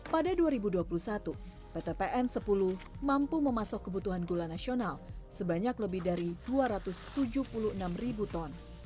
pada dua ribu dua puluh satu pt pn sepuluh mampu memasuk kebutuhan gula nasional sebanyak lebih dari dua ratus tujuh puluh enam ribu ton